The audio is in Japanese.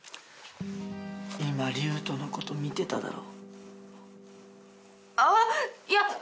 今龍斗のこと見てただろ。